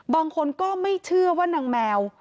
บางคนก็ไม่เชื่อว่านางแมว